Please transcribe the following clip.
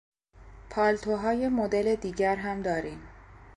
پالتوهای مدل دیگر هم داریم.